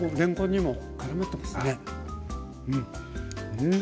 うん。